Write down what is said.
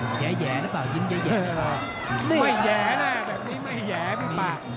แยะแยะหรือเปล่ายิ้มแยะแยะไม่แยะน่ะแบบนี้ไม่แยะมีปาก